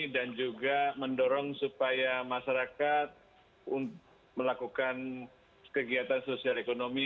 dan juga mendorong supaya masyarakat melakukan kegiatan sosial ekonomi